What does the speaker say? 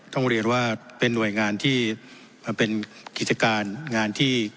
ต้องเรียนว่าเป็นหน่วยงานที่มันเป็นกิจการงานที่